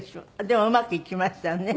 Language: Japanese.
でもうまくいきましたよね。